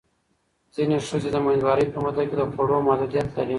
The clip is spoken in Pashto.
ځینې ښځې د مېندوارۍ په موده کې د خوړو محدودیت لري.